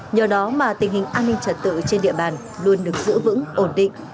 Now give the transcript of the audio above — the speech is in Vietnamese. nhờ đó mà tình hình an ninh trật tự trên địa bàn luôn được giữ vững ổn định